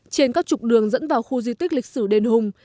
trên các trục đường dẫn vào khu di tích lịch sử đền hùng